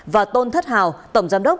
và tôn thất hào tổng giám đốc